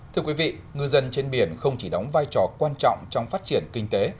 thưa quý vị ngư dân trên biển không chỉ đóng vai trò quan trọng trong phát triển kinh tế